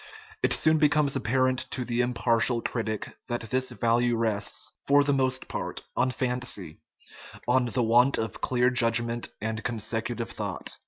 It soon becomes ap parent to the impartial critic that this value rests, for the most part, on fancy, on the want of clear judgment and consecutive thought.